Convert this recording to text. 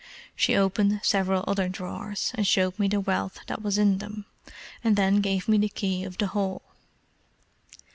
She opened several other drawers, and showed me the wealth that was in them, and then gave me the key of the whole.